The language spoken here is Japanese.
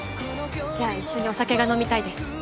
じゃあ一緒にお酒が飲みたいです。